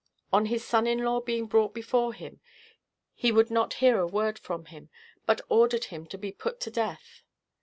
On his son in law being brought before him, he would not hear a word from him, but ordered him to be put to death.